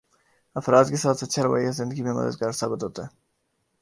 افراد کے ساتھ اچھا رویہ زندگی میں مددگار ثابت ہوتا ہے